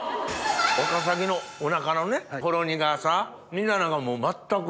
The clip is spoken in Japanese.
ワカサギのおなかのほろ苦さみんな何かもう全く。